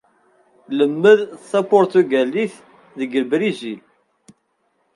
Ilemmed tapuṛtugalit deg Brizil.